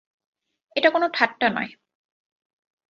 এটা কোনো ঠাট্টা নয়।